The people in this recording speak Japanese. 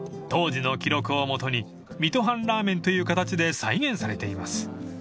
［当時の記録を基に水戸藩らーめんという形で再現されています］